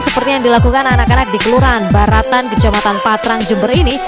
seperti yang dilakukan anak anak di kelurahan baratan kecamatan patrang jember ini